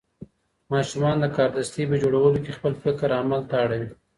ماشومان د کاردستي په جوړولو کې خپل فکر عمل ته اړوي.